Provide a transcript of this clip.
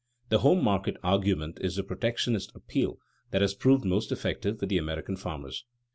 The "home market" argument is the protectionist appeal that has proved most effective with the American farmers.